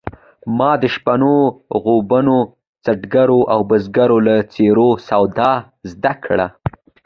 ما د شپنو، غوبنو، خټګرو او بزګرو له څېرو سواد زده کړ.